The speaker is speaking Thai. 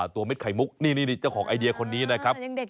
เม็ดไข่มุกนี่เจ้าของไอเดียคนนี้นะครับ